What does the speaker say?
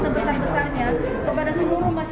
ikungan masyarakat di seluruh sumpah